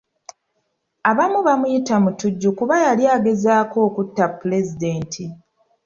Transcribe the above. Abamu bamuyita mutujju kuba yali agezaako okutta Pulezidenti.